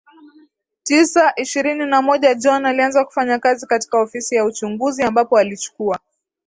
tisa ishirini na moja John alianza kufanya kazi katika Ofisi ya Uchunguzi ambapo alichukua